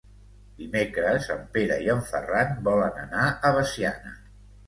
Dimecres en Pere i en Ferran volen anar a Veciana.